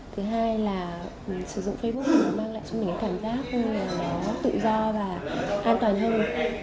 thứ hai là sử dụng facebook nó mang lại cho mình cái cảm giác tự do và an toàn hơn